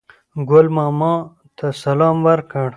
ګل ماما ته سلام ورکړ.